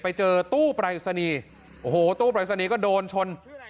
ไปเจอตู้ปรายศนีย์โอ้โหตู้ปรายศนีย์ก็โดนชน